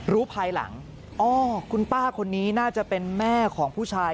ภายหลังอ๋อคุณป้าคนนี้น่าจะเป็นแม่ของผู้ชาย